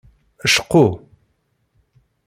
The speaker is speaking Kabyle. Cqu.